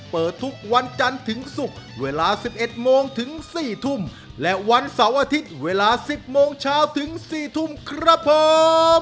เปิดทุกวันจันทร์ถึงศุกร์เวลา๑๑โมงถึง๔ทุ่มและวันเสาร์อาทิตย์เวลา๑๐โมงเช้าถึง๔ทุ่มครับผม